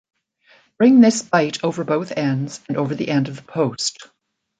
Bring this bight over both ends and over the end of the post.